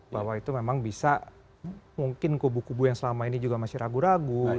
bahwa itu memang bisa mungkin kubu kubu yang selama ini juga masih ragu ragu